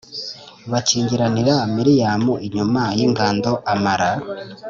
Bakingiranira Miriyamu inyuma y’ingando amara